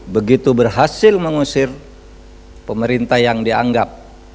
begitu berhasil mengusir pemerintah yang dianggap